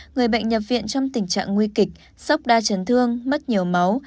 người bệnh nhập viện trong tình trạng nguy kịch sốc đa chấn thương mất nhiều máu